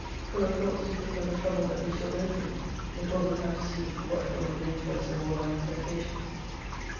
Full of thoughts to think of the trouble that we shall go through before we come to see what will remain to us of all our expectations.